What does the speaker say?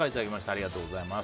ありがとうございます。